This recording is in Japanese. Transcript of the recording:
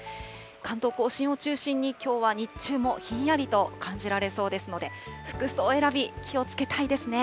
関東甲信を中心に、きょうは日中もひんやりと感じられそうですので、服装選び、気をつけたいですね。